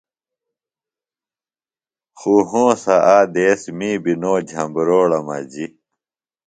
خوۡ ہونسہ آ دیس می بیۡ نو جھبروڑہ مجیۡ۔